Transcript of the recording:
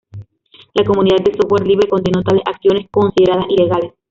La comunidad de software libre condenó tales acciones consideradas ilegales.